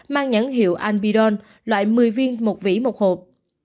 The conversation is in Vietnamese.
mang nhãn hiệu alpidol loại một mươi viên vỉ một hộp